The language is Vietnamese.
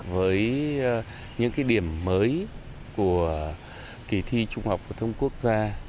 với những điểm mới của kỳ thi trung học phủ thương quốc gia